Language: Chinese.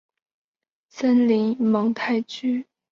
森林蒙泰居。